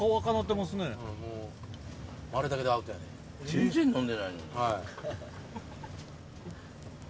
全然飲んでないのに。